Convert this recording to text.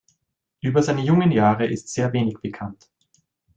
Über seine jungen Jahre ist sehr wenig bekannt.